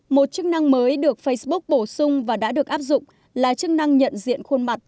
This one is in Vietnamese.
một chức năng mới được facebook bổ sung và đã được áp dụng là chức năng nhận diện khuôn mặt